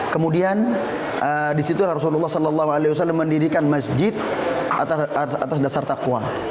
kemudian disitu rasulullah saw mendirikan masjid atas dasar takwa